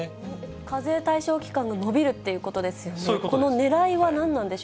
課税対象期間が延びるっていそういうことです。